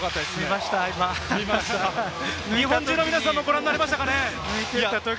日本中の皆さんもご覧になりましたかね。